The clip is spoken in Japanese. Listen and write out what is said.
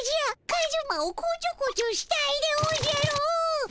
カズマをこちょこちょしたいでおじゃる。